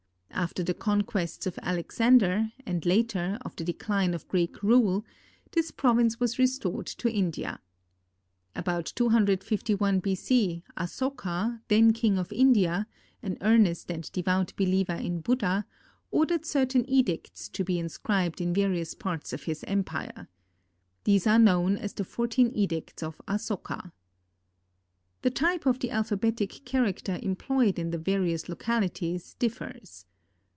After the conquests of Alexander, and later, of the decline of Greek rule, this province was restored to India. About 251 B. C., Asoka, then king of India, an earnest and devout believer in Buddha, ordered certain edicts to be inscribed in various parts of his empire. These are known as the fourteen edicts of Asoka. The type of the alphabetic character employed in the various localities differs.